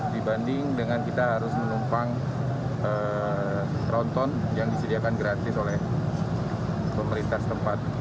dibanding dengan kita harus menumpang tronton yang disediakan gratis oleh pemerintah tempat